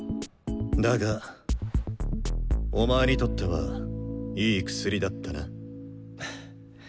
だがお前にとってはいい薬だったな。